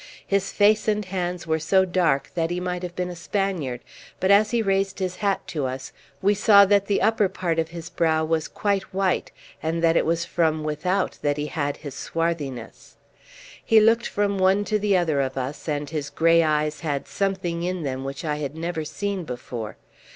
His face and hands were so dark that he might have been a Spaniard, but as he raised his hat to us we saw that the upper part of his brow was quite white and that it was from without that he had his swarthiness. He looked from one to the other of us, and his grey eyes had something in them which I had never seen before.